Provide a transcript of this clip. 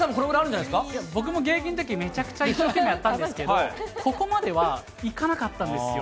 僕も現役のとき、めちゃくちゃ一生懸命やったんだけど、ここまではいかなかったんですよ